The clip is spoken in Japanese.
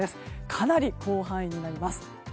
かなり広範囲になります。